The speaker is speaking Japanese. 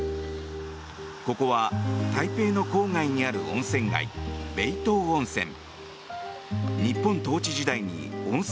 ここは台北の郊外にある温泉街北投温泉。